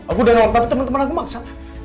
aku udah nolak tapi temen temen aku maksa